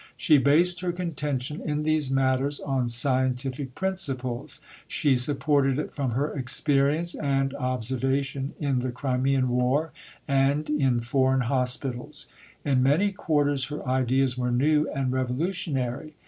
She based her contention in these matters on scientific principles; she supported it from her experience and observation in the Crimean War and in foreign hospitals. In many quarters her ideas were new and revolutionary.